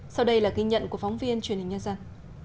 sau đây là ghi nhận của phóng viên truyền hình nhân dân